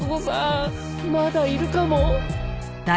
まだいるかも。